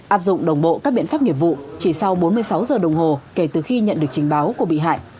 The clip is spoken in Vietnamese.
áp dụng đồng bộ các biện pháp nghiệp vụ chỉ sau bốn mươi sáu giờ đồng hồ kể từ khi nhận được trình báo của bị hại